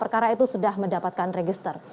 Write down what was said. perkara itu sudah mendapatkan register